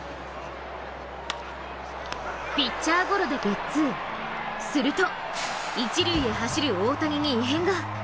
ピッチャーゴロでゲッツー、すると一塁へ走る大谷に異変が。